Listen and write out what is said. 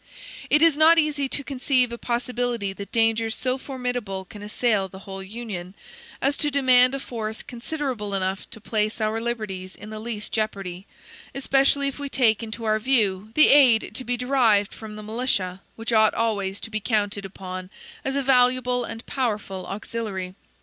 It is not easy to conceive a possibility that dangers so formidable can assail the whole Union, as to demand a force considerable enough to place our liberties in the least jeopardy, especially if we take into our view the aid to be derived from the militia, which ought always to be counted upon as a valuable and powerful auxiliary.